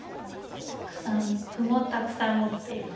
たくさん歩もたくさん持っています。